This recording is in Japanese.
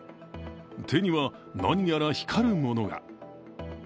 手には何やら光るものが。